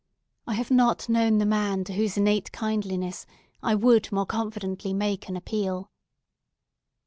I have not known the man to whose innate kindliness I would more confidently make an appeal.